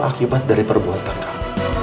akibat dari perbuatan kamu